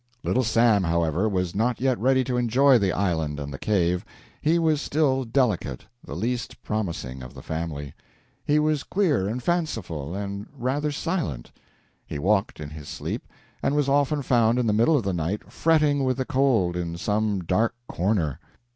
Little Sam, however, was not yet ready to enjoy the island and the cave. He was still delicate the least promising of the family. He was queer and fanciful, and rather silent. He walked in his sleep and was often found in the middle of the night, fretting with the cold, in some dark corner.